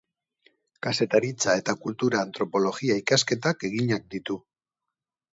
Kazetaritza eta kultura antropologia ikasketak eginak ditu.